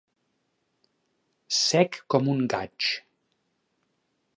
Sec com un gaig.